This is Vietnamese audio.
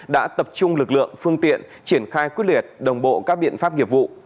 đã tập trung lực lượng phương tiện triển khai quyết liệt đồng bộ các biện pháp nghiệp vụ